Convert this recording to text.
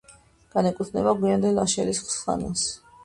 განეკუთვნება გვიანდელ აშელის ხანას.